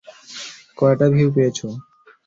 কয়টা ভিউ পেয়েছ?